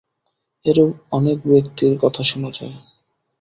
এরূপ অনেক ব্যক্তির কথা শুনা যায়।